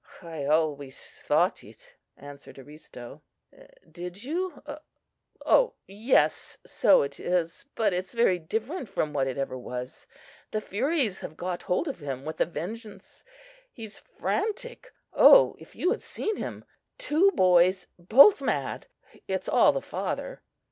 "I always thought it," answered Aristo. "Did you? Yes, so it is; but it's very different from what it ever was. The furies have got hold of him with a vengeance! He's frantic! Oh, if you had seen him! Two boys, both mad! It's all the father!"